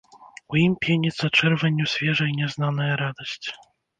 У ім пеніцца чырванню свежай нязнаная радасць.